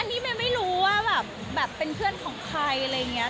อันนี้เมย์ไม่รู้ว่าแบบเป็นเพื่อนของใครอะไรอย่างนี้